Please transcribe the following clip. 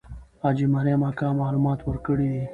حاجي مریم اکا معلومات ورکړي دي.